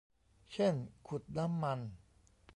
เช่น ขุดน้ำมัน